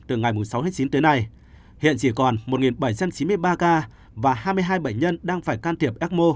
từ ngày sáu tháng chín tới nay hiện chỉ còn một bảy trăm chín mươi ba ca và hai mươi hai bệnh nhân đang phải can thiệp ecmo